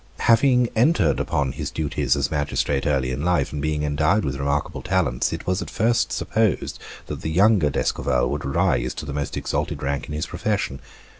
Having entered upon his duties as magistrate early in life, and being endowed with remarkable talents, it was at first supposed that the younger D'Escorval would rise to the most exalted rank in his profession.